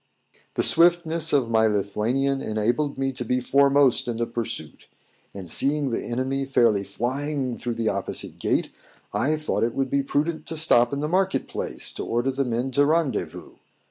The swiftness of my Lithuanian enabled me to be foremost in the pursuit; and seeing the enemy fairly flying through the opposite gate, I thought it would be prudent to stop in the market place, to order the men to rendezvous.